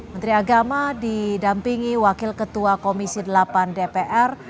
menteri agama didampingi wakil ketua komisi delapan dpr